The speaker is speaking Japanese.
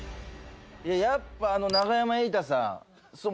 いややっぱあの永山瑛太さん。